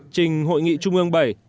trình hội nghị trung ương bảy